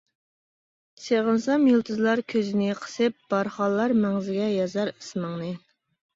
سېغىنسام يۇلتۇزلار كۆزىنى قىسىپ، بارخانلار مەڭزىگە يازار ئىسمىڭنى.